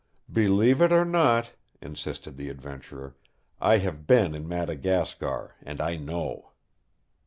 "Believe it or not," insisted the adventurer, "I have been in Madagascar and I know."